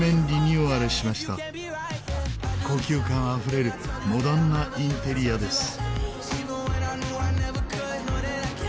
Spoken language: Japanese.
高級感あふれるモダンなインテリアです。